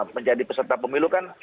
menjadi peserta pemilu kan